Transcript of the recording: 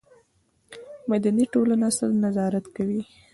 مدني ټولنه څه نظارت کوي؟